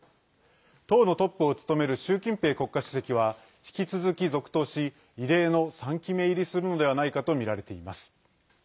党のトップを務める習近平国家主席は引き続き続投し異例の３期目入りするのではないかとみられています。